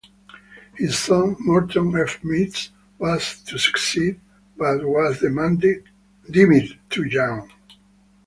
His son, Morton F. Meads, was to succeed but was deemed too young.